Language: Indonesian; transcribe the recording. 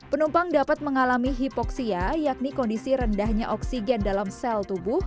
penumpang dapat mengalami hipoksia yakni kondisi rendahnya oksigen dalam sel tubuh